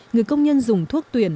người công nhân dùng thuốc tuyển